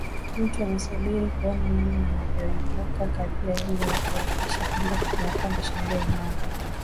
mtu anasubiri kuona namna atakavyoivuka kadhia hii na kuhakikisha kwamba kunakuwa na sheria imara